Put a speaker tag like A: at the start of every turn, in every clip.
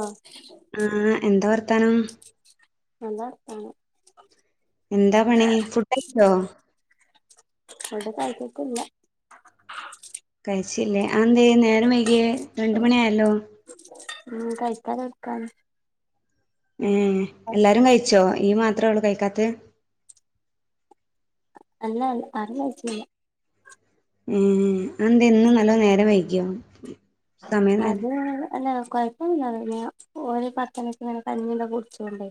A: ആ
B: ആഹ് എന്താ വർത്താനം
A: നല്ല വർത്താനം
B: എന്താ പണി ഫുഡയ്ച്ചോ?
A: ഫുഡ് കഴിച്ചിട്ടില്ല
B: കഴിച്ചില്ലേ ആതെന്തെ നേരം വൈകിയേ? രണ്ട് മണി ആയല്ലോ
A: ഉം കഴിക്കാൻ എടുക്കാണ്
B: ഏഹ് എല്ലാരും കഴിച്ചോ ഇയ്യ് മാത്രേ ഉള്ളൂ കഴിക്കാത്തെ
A: അല്ല അല്ല ആരും കഴിച്ചീല്ല
B: ഏഹ് ആന്തെ ഇന്ന് നല്ലോ നേരം വൈകിയോ? സമയം നേരം
A: അത് അല്ല കൊയപ്പ് [unintelligible] ഓര് പത്തണിക്ക്ങ്ങനെ കഞ്ഞിയൊക്കെ കുടിച്ചോണ്ടേ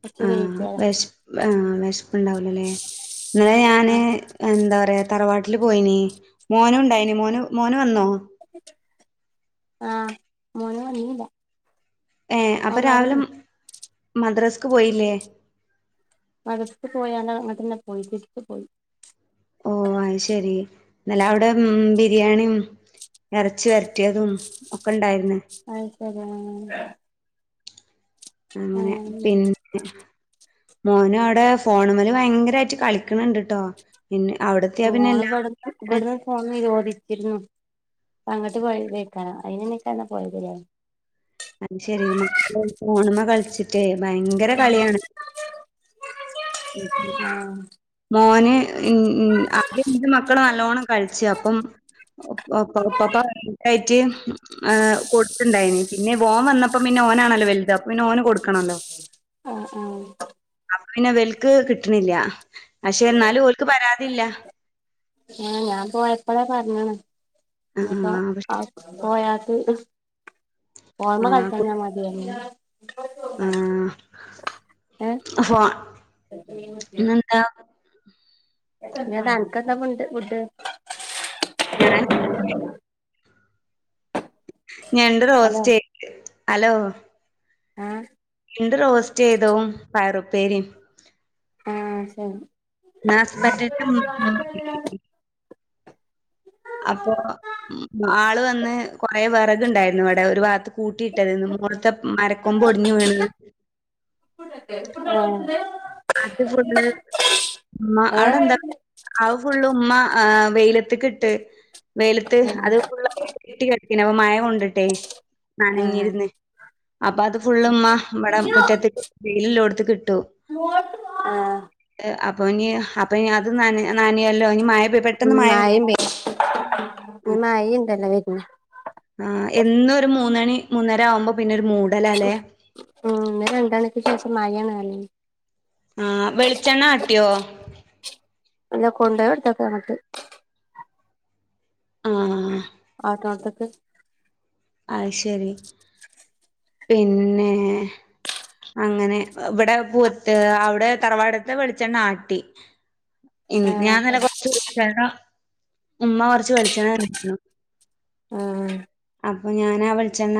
A: കൊറച്ച്
B: ആഹ്
A: വൈകിയതാ
B: വെശ് ആഹ് വെശപ്പുണ്ടാവൂലല്ലേ ഇന്നലെ ഞാന്
A: ആഹ്
B: എന്താ പറയാ തറവാട്ടില് പോയിനി മോനുണ്ടായിനി മോന് മോന് വന്നോ
A: ആഹ് മോന് വന്നീല്ല
B: ഏഹ്
A: ഓൻ
B: അപ്പ രാവിലെ
A: നടന്നു
B: മദ്രസ്സക്ക് പോയില്ലേ?
A: മദർസ്ക്ക് പോയാണ്ടെ അങ്ങട്ടന്നെ പോയി തിരിച്ചു പോയി
B: ഓഹ് അയ്ശെരി ഇന്നല്ല അവിടെ ഉം ബിരിയാണിം ഇറച്ചി വരറ്റിയതും ഒക്കെ ണ്ടായിരുന്നു
A: ആയ് ശരി ആഹ്
B: അങ്ങനെ
A: ആഹ്
B: പിന് മോന അവിടെ ഫോണുമല് ഭയങ്കരായിട്ട് കളിക്ണ് ണ്ട് ട്ടൊ പിന്നെ അവിടത്തിെയാ പിന്നെ എല്ലാ [unintelligible]
A: ഫോണ് നിരോദിച്ചിരുന്നു അങ്ങട്ട് പോയത് എയ് ക്കാരംഅയ്ന്ന്ന്നെയ്ക്കാരം പോയത് ലെ
B: അത് ശെരി മക്കള് ഫോണമ്മെ കളിച്ചിട്ടേ ഭയങ്കര കളിയാണ് ഉം
A: ആഹ്
B: മോന് ഇമ് ഉം അത് ന്റെ മക്കള്
A: ആഹ്
B: നല്ലോണം കളിച്ചുംഅപ്പം [unintelligible] ഏഹ് കൊട്ത്ത്ണ്ടായിനി പിന്നെ വോം വന്നപ്പോ പിന്നെ ഓണാല്ലോ വലുത് അപ്പ പിന്നെ ഓന് കൊടുക്കണല്ലോ
A: ആഹ് ആഹ്
B: അപ്പ പിന്നെ വൽക്ക് കിട്ട്ണില്ല പക്ഷെ ന്നാലും ഓൽക്ക് പരാതില്ല
A: ആഹ് ഞാൻ പോയപ്പളെ പറഞ്ഞ്ണ് ഞ്ഞ് പ്പൊ
B: ആഹ് പക്ഷെ
A: ആ പോയാട്ട് ഫോൺമ്മെ
B: ആഹ്
A: കളിക്കാ
B: കു
A: ഞാ മതേർഞ്
B: ആഹ്
A: ഏഹ്
B: അഫോ പിന്നന്താ
A: ന്നട്ട് അൻക്ക് എന്താഫുഡ്
B: ഞാൻ ഞണ്ട്
A: ഹലോ
B: റോസ്റ്റ് ഹലോ
A: ആഹ്
B: ഞണ്ട് റോസ്റ്റ് ചെയ്തോ പയറുപ്പേരിം
A: ആഹ് ശ
B: ന സ്ബന്റിന്റെ [unintelligible] അപ്പൊ ആള് വന്ന് കൊറെ വിറകുണ്ടായിരുന്നു ഇവിടെ ഒരു ഭാഗത്ത് കൂട്ടിയിട്ടതിന്ന് മോർത്തെ മരക്കൊമ്പ് ഒടിഞ്ഞു വീണത്
A: ആഹ്
B: അത് ഫുള്ള് മ്മ അവിടെ
A: ഏഹ്
B: എന്താ ആഹ് ഫുള്ള് മ്മ ആഹ് വെയിലത്ത്ക്ക്ട്ട് വെയ്ലത്ത് അത്
A: ആഹ്
B: ഫുള്ള കെട്ടി കടക്കേഞ് അപ്പ മഴ കൊണ്ടിട്ടേ നനഞ്ഞിരുന്ന് അപ്പൊ അത് ഫുള് ഉമ്മ ഇബടെ മുറ്റത്ത് വെയിലിള്ളോടുത്ത്ക്ക്ട്ടു
A: ആഹ്
B: എഹ് അപ്പൊ ഇനി അപ്പഞ് അത് നനി നാനിയല്ലോ ഇനി മയ പെ പ്പെട്ട്
A: ഉം മയിം [unintelligible] ഞ് മയിംണ്ടല്ലോ വര്ണ്
B: ആഹ് എന്നരു മൂന്നണി മൂന്നര ആവുമ്പോ പിന്നെ ഒരു മൂടലല്ലേ
A: ഉം ന്നലെ രണ്ടാണിക്ക് ശേഷം മായാണൽ
B: ആഹ് വെളിച്ചെണ്ണ ആട്ടിയോ
A: അല്ല കൊണ്ടോയ്ടുത്തൊക്ക ങ്ങട്ട്
B: ആഹ്
A: ആട്ട്ണോട്ത്ത്ക്ക്
B: അഹ് ശരി പിന്നെ അങ്ങനെ ഇവിടെ പൂത്ത് അവിടെ തറവാടത്തെ വെളിച്ചണ്ണാട്ടി ഇൻ ഞാൻ നല്ല കൊറച് വെൾച്ചണ്ണ ഉമ്മ കൊറച്ച് വെളിച്ചണ്ണ തന്നീഞു
A: ആഹ്
B: അപ്പം ഞാനാ വെളിച്ചെണ്ണ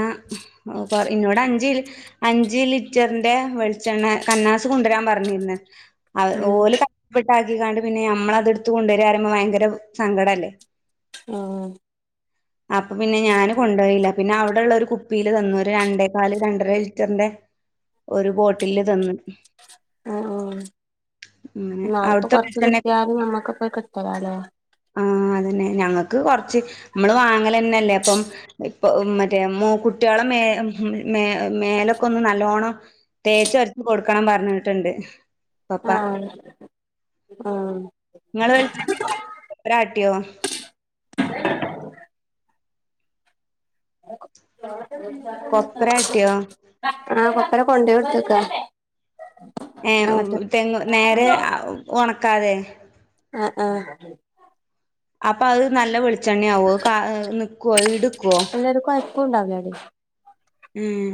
B: കു ഇന്നോട് അഞ്ചു അഞ്ച് ലിറ്ററിന്റെ വെളിച്ചെണ്ണ കന്നാസ് കൊണ്ടുവരാൻ പറഞ്ഞിര്ന്ന്
A: ഉം
B: ഓല് പ്പ്ട്ടാക്കിക്കാണ്ട് പിന്നെ നമ്മളത് എടുത്തു കൊണ്ടേരറിയുമ്പോൾ ഭയങ്കര സങ്കടല്ലേ
A: ആഹ്
B: അപ്പൊ പിന്നെ ഞാനും കൊണ്ടായില്ല പിന്നെ അവിടെള്ള ഒരു കുപ്പിയില് തന്നു ഒരു രണ്ടേക്കാല് രണ്ടര ലിറ്ററിന്റെ ഒരു ബോട്ടില് തന്ന്
A: ആ ഉ ഉ
B: അങ്ങനെ
A: എന്നാലപ്പ
B: അവിടുത്തെ
A: കൊറച്ച്
B: വെളിച്ചെണ്ണ
A: കിട്ടിയാലും നമ്മുക്ക്പ്പോ കിട്ടരല്ലേ
B: ആ അതന്നെ ഞങ്ങക്ക് കൊറച്ച് മ്മള് വാങ്ങലല്ലേപ്പം ഇപ്പൊ മറ്റേ മ കുട്ടികളെ മേ മേ മേലൊക്കെ ഒന്ന് നല്ലോണം തേച്ച വരച്ച് കൊടുക്കണം പറഞ്ഞിട്ടുണ്ട് പപ്പ
A: ആഹ ആഹ
B: നിങ്ങള്ൾ വിളിച്ചരാട്ടിയോ [unintelligible]
A: [inaudible]
B: കൊപ്ര ആട്ടിയോ
A: ആ കൊപ്പ ര കൊണ്ടയ് കൊടുത്തക്ക
B: ഏഹ തെങ നേരെ ഒ ണക്കാതെ
A: ആ ആഹ
B: അപ്പൊ അത് നല്ല വെളിച്ചെണ്ണ ആവോ ഈട് നിക്കുവോ
A: അക്ക [unintelligible] ണ്ടാവല അടി [unintelligible]
B: ഉം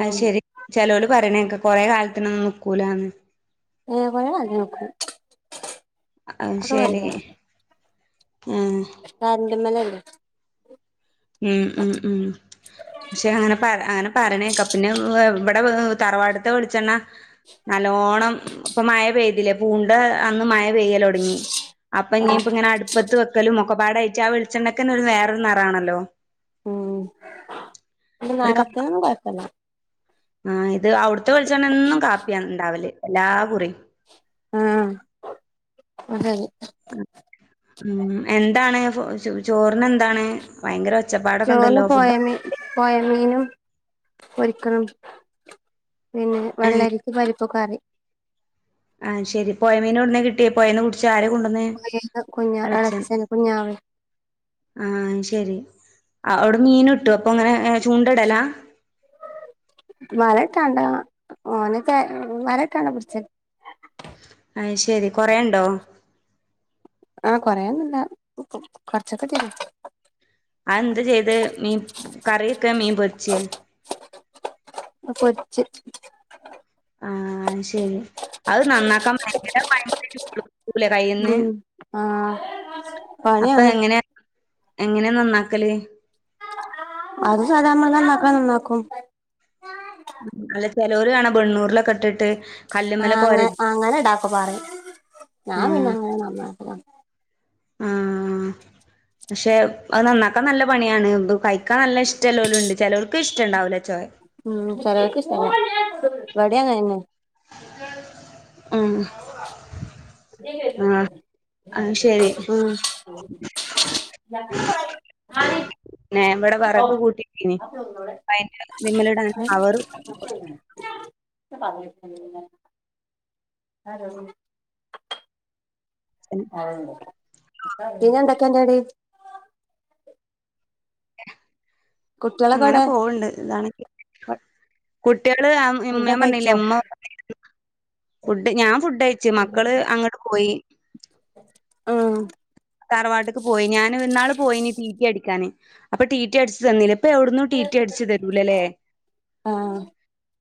B: അത് ശെരി ചെലോല് പറയണക്കെ കൊറെ കാലത്തിന ഒന്നും നിൽക്കൂലാന്ന്
A: ഏഹ് കൊറേ കാലം നിക്കും
B: ആ ത്
A: അതൊക്കെ
B: ശരി ആഹ
A: കന്റെമ്മലല്ലേ [unintelligible]
B: ഉം ഉം ഉം പക്ഷെ അങ്ങനെ പ അങ്ങനെ പറരണേക്കെ പിന്നെ ഇവിടെ തറവാട ഇൻ്റെ വിളിച്ചെണ്ണ നല്ലോണം ഇപ്പമയ പെയ്തില്ലേ പൂണ്ട ഇടെ അന്ന് മഴ പെയ്യൽ തുടങ്ങി അപ്പൊ ഇ
A: ആഹ്
B: ഇങ്ങനെ വത്ത് വെക്കലും മുക്കപാട് അയച്ച ആ വിളിച്ചെണ്ടക്കനെ ഒരു വേറൊരുനിറാണല്ലോ
A: ഉം ഇ നറത്തനന്നുംകൊയപ്പല്യ
B: ആഹ ഇത് അവിടുത്തെ വെളിച്ചെണ്ണഎന്നും കാപ്പിയാ ഉണ്ടാവല് എല്ലാ കുടിയും
A: ആഹ് [unintelligible]
B: ഉം എന്താണ് [unintelligible] ചോറിന് എന്താണ് ഭയങ്കര ഒച്ചപ്പാടൊക്കെ ഉണ്ടല്ലോ ഫുഡ്
A: പൊയ മീനും പൊരിക്കണം പിന്നെ
B: ഏ
A: വെള്ളരിക്ക് പരിപ് പരിപ്പ് കറി
B: ആഹ് ശരി പൊയമീൻ എവിടുന്നാ കിട്ട് - - കീ ട്ടിയോ പൊയേന്ന് പിടിച്ച് ആര കൊണ്ടുവന്നെ
A: കുഞ്ഞ
B: ഓളച്ചൻ
A: ഇളച്ചന് കുഞ്ഞാവ
B: ആഹ് ശരി അവിടെ മീൻ കിട്ടുവോ പ്പൊങ്ങനെ ചൂണ്ട ഇടലാ
A: വല ഇട്ടാണ്ട ഓന വല ഇട്ടാണ് പിടിച്ചേ
B: അയ് ശരി കൊറേയുണ്ടോ
A: ആഹ് കൊറേയൊന്നുമില്ല കൊറെച്ചൊക്കെതന്നെ
B: അഴ് എന്ത് ചെയ്ത് നീ കറിവെക്ക മീൻ പൊരിച്ചെ
A: പൊരിച്ച്
B: ആഹ് അത് ശരി അത് നന്നാക്കാൻ ഭയങ്കര പണിയാണ് ല കഴിയുന്നു
A: ഉം ആഹ്
B: അപ്പൊ
A: പണിയാണ്
B: എങ്ങനെ എങ്ങനെ നന്നാക്കല്
A: അത് സാദാമലെ നന്നാക്ക നന്നാക്കും
B: അല്ല ചെലോര് കാണ വെണ്ണൂരിലൊക്കെ ഇട്ടിട്ട്
A: ആഹ്
B: കല്ലുമ്മലൊക്കെ
A: അങ്ങ
B: ഒര
A: അങ്ങനെ ഇടാക്ക പറയും ഞാൻ പിന്നെ അങ്ങനെ നന്നക്കും
B: ഉം ഉം പക്ഷെ അത് നന്നാക്കാൻ നല്ല പണിയാണ് ത് കഴിക്കാൻ നല്ല ഇഷ്ടം ള്ളവരുംണ്ട് ചെലോ ർക്ക്‌ ഇഷ്ടുണ്ടാവില്ല ചൊയ
A: ഉം ചിലവർക്ക് ഇഷ്ടംഇവിടം യങ്ങനെ തന്നെ
B: ഉം
A: ഉം [unintelligible]
B: ഞാൻ ഇവിടെ വിറക് കൂട്ടിരിക്കിനി അതിനിമ്മേലിടാൻ അവർ
A: [inaudible] ഹലോ പിന്നെ എന്തൊക്കെ ഉണ്ടെടീ കുട്ടികളൊക്കെ
B: അങ്ങനെ
A: എവിടെ
B: പോവണ്ട് ഇതാണെങ്കി കുട്ടികള് ഞാൻ
A: ഫുഡൊക്കെ കഴിച്ചോ
B: പറഞ്ഞില്ലേ ഉമ്മ ഫുഡ് ഞാൻ ഫുഡ് കഴിച്ചു മക്കള് അങ്ങോട്ട് പോയി
A: ആഹ്
B: തറവാട്ട്ക്ക് പോയി ഞാന് ഇന്നാള് പോയിനി റ്റിറ്റി അടിക്കാന് അപ്പൊ റ്റിറ്റി അടിച്ചു തന്നില്ല ഇപ്പൊ എവിടുന്നും റ്റിറ്റി അടിച്ച് തരൂല്ലല്ലേ
A: ആഹ്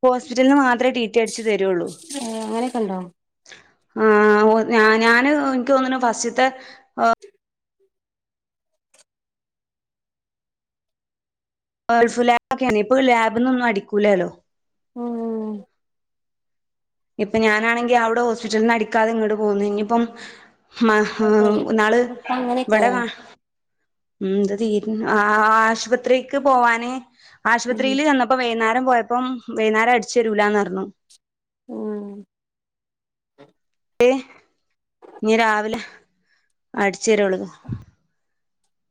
B: ഹോസ്പിറ്റലീന്ന് മാത്രേ റ്റി - - റ്റിറ്റി അടിച്ചു തരുള്ളൂ
A: അങ്ങനെയൊക്കെ ഉണ്ടോ
B: ആഹ് ഓ ഞാന് എനിക്ക് തോന്നുന്നു ഫസ്റ്റത്തെ ഗേൾഫ് ലാബ് ഒക്കെയെ ഇപ്പൾ ലാബ്ന്നൊന്നും അടിക്കൂല്ലല്ലോ
A: ഓഹ് ഓഹ്
B: ഇപ്പൊ ഞാനാണെങ്കി അവിടെ ഹോസ്പിറ്റലീന്നു അടിക്കാതെ ഇങ്ങോട്ട് പോന്നു ഇനിയിപ്പം മഹ്
A: അതെ
B: ഇന്നാള്
A: അപ്പ
B: ഇവിടെ
A: അങ്ങനെയൊക്കെല്ലേ
B: കാ ഉം ഇത് തീരു ആഹ് ആശുപത്രിക്ക് പോവാന്
A: ഉം
B: ആശുപത്രിയില് ചെന്നപ് ഇപ്പൊ വൈകുന്നേരം പോയപ്പം വൈകുന്നേരം അടിച്ചു തരൂലാന്ന് പറഞ്ഞു
A: ഉം
B: ദെ ഇനി രാവിലെ അടിച്ച് തരുള്ളൂ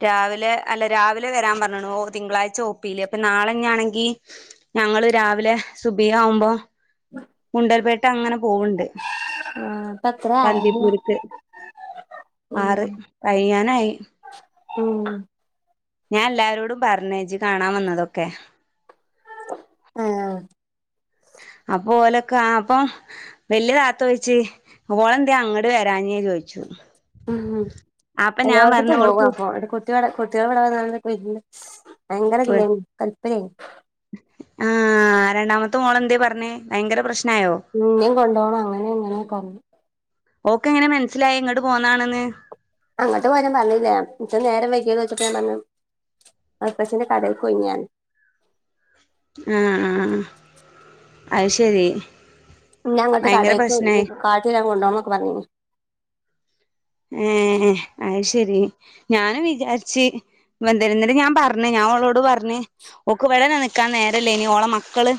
B: രാവിലെ അല്ല രാവിലെ വരാൻ പറഞ്ഞണു ഓ തിങ്കളാഴ്ച ഓപിയില് അപ്പൊ നാളെ തന്നെയാണെങ്കിൽ ഞങ്ങള് രാവിലെ സുബിയ ആകുമ്പോ ഗുണ്ടൽപേട്ട് അങ്ങനെ പോവണ്ട്
A: ആഹ് ഇപ്പ എത്ര ആയത്
B: ബന്ദിപ്പുരിക്ക് ആറ്
A: ഉം
B: കയിയാനായി
A: ഉം
B: ഞാൻ എല്ലാരോടും പറഞ്ഞ് ഇജ്ജ് കാണാൻ വന്നതൊക്കെ
A: ആഹ്
B: അപ്പോ ഓലോക് അപ്പൊ വല്യ താത്ത ചോയിച്ച് ഓള് എന്തെ അങ്ങോട്ട് വരാനാ ചോയിച്ചു
A: ഉം
B: അപ്പൊ ഞാൻ പറഞ്ഞു
A: എല്ലാവടത്തുംക്കും
B: ഓള്
A: പോക
B: കു
A: അപ്പൊവിടെ കുട്ട കുട്ടികൾട ഭയങ്കര ഇല്ല കല്പര്യ
B: ആഹ് രണ്ടാമത്തെ മോളെന്തേ പറഞ്ഞേ ഭയങ്കര പ്രശ്നായോ
A: ഇന്നേം കൊണ്ടു പോണം അങ്ങനെ ഇങ്ങനെ കൊറഞ്ഞു
B: ഓക്ക് എങ്ങനെ മനസ്സിലായി എങ്ങട്ട് പോന്നാണെന്ന്
A: അങ്ങോട്ട് പോരും പറഞ്ഞില്ലേ ഇച്ച നേരം വയ്ക്കിയോന്ന് ചോയ്ച്ചപ്പം ഞാൻ പറഞ്ഞു അപ്പച്ചെന്റെ കടായിക്കൊയിഞാൻ
B: ആഹ് ആ ആ അത് ശരി
A: ഞാ അങ്ങോട്ട്
B: ഭയങ്കര
A: കടേക്ക് ഇനി
B: പ്രശ്നായി
A: കാട്ടില കൊണ്ട്പോന്നൊക്കെ പറഞ്ഞി
B: ഏഹ് അത് ശരി ഞാന് വിചാരിച്ച് വന്തരുന്നിണ്ട് ഞാൻ പറഞ്ഞേ ഞാൻ അവളോട് പറഞ്ഞ് ഓക്ക് വട നിക്കാൻ നേരല്ലേ ഇനി ഓള മക്കള്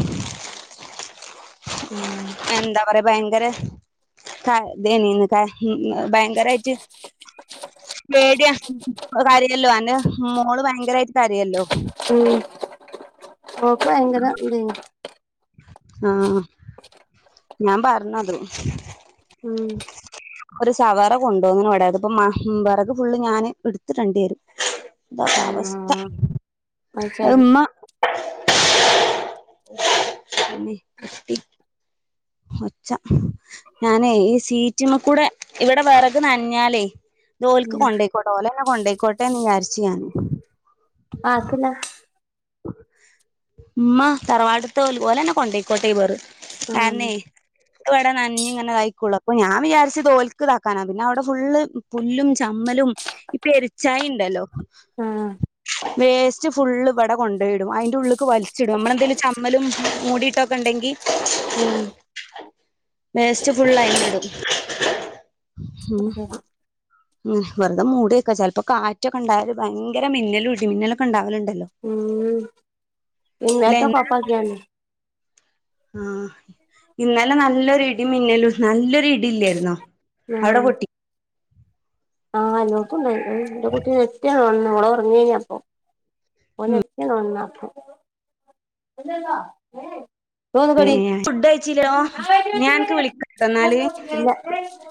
A: ഉം
B: എന്താ പറയാ ഭയങ്കര ഇതേന്ന് ഭയങ്കരായിട്ട പേടിയ കരിയല്ലോ അന്റെ മോള് ഭയങ്കരമായിട്ട് കരയല്ലോ
A: ഉ ക്ക എങ്ങ ഇ
B: ആഹ് ഞാൻ പറഞ്ഞത്
A: ഉം
B: ഒരു സവറ കൊണ്ടോങ്ങനെ ഇവിടെത് ഇപ്പൊ മ വിറക് ഫുള് ഞാന് എടുത്തിടേണ്ടി വരും ഒരവസ്ഥ
A: ആഹ് അത് ശരി
B: അമ്മ ഒച്ച ഞാനേ ഈ സീറ്റിമ്മക്കൂടെ ഇവിടെ വിറക്ക് നനഞ്ഞാലേ ഓല്ക്ക്
A: ഉം
B: കൊണ്ടോയി കോട്ടോ ഓല് എന്നെ കൊണ്ടോയിക്കോട്ടെന്ന് വിചാരിച്ച് ഞാനും.
A: ആർക്ക് തിന്നാൻ.
B: ഉമ്മ തറവാട്ടിത്തേ ഓല് ഓലെന്നെ കൊണ്ടോയിക്കോട്ടേ യിവറ്
A: ആഹ്
B: കരണേ. ഇപ്പം ഇവിടെ നനഞ്ഞ് ഇങ്ങനെ തായിക്കുള്ളൂ അപ്പൊ ഞാൻ വിചാരിച്ചത് ഓലുക്ക്താക്കാനാ പിന്നെ അവിടെ ഫുള്ള്. പുല്ലും, ചമ്മലും ഈ പെരുച്ചായി ഉണ്ടല്ലോ.
A: ആഹ്
B: വേസ്റ്റ് ഫുള്ള് ഇവിടെ കൊണ്ടേയിടും അതിന്റെ ഉള്ളൂക്ക് വലിച്ചിടും നമ്മള് എന്തെലും ചമ്മ മ്മലും മൂടിയിട്ടതൊക്കെ ഉണ്ടെങ്കി
A: ആഹ്.
B: വേസ്റ്റ് ഫുള്ള് ആയികിടും. ഉം വെറുതെ മൂടി വയ്ക്കാ ചെലപ്പോ കാറ്റൊക്കെ ഉണ്ടായാല് ഭയങ്കര മിന്നലും, ഇടിമിന്നലൊക്കെ ഉണ്ടാവലുണ്ടല്ലോ.
A: ഉം ഇൻവെർട്ടർ ഓഫ് ആക്കി കാണി.
B: ആഹ് ഇന്നലെ നല്ലൊരു ഇടി മിന്നലും നല്ലൊരു ഇടി ഇല്ലായിരുന്നോ? അവിടെ
A: ആഹ്.
B: പൊട്ടി
A: ആഹ് എല്ലാടത്തുണ്ടായിനി എന്റെ കുട്ടി ഞെട്ടിയങ്ങുയുണന്നു അവള് ഉറങ്ങാരുന്നു അപ്പൊ. ഓള് ഞെട്ടിയങ്ങുയുണന്നു അപ്പോ. റൂമി പോടീ ആഹ്
B: ഫുഡ് കഴിച്ചില്ലോ
A: വര്യായാണ്
B: ഞാൻ അനക്ക് വിളിക്കട്ടോ എന്നാല്
A: വര്യാ.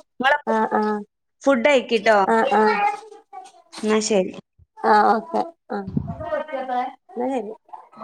A: [unintelligible]
B: നിങ്ങള്
A: ആഹ് ആഹ്.
B: ഫുഡ് അയക്കിട്ടോ.
A: ആഹ്. ആഹ്
B: എന്നാ ശരി.
A: ആഹ് ഓക്കെ ആഹ് എന്നാ ശരി.